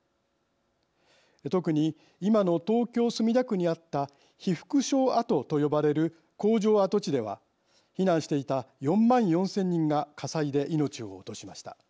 特に今の東京・墨田区にあった被服廠跡と呼ばれる工場跡地では避難していた４万４，０００人が火災で命を落としました。